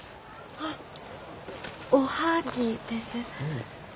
あっおはぎです。